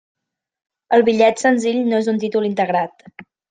El bitllet senzill no és un títol integrat.